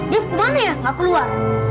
dev mana yang nggak keluar